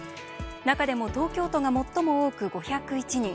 中でも東京都が最も多く５０１人。